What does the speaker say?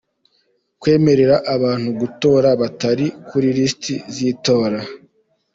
Kwemerera abantu gutora batari kuri lisiti z’itora.